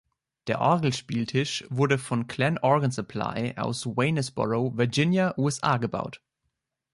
Der Orgelspieltisch wurde von Klann Organ Supply aus Waynesboro, Virginia, USA, gebaut.